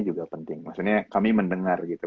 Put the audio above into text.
juga penting maksudnya kami mendengar gitu